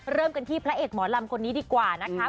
เริ่มกันที่พระเอกหมอลำคนนี้ดีกว่านะคะ